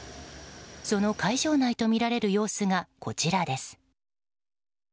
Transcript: その会場内とみられる様子がこちらです。